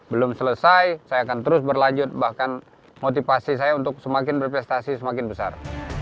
belum selesai saya akan terus berlanjut bahkan motivasi saya untuk semakin berprestasi semakin besar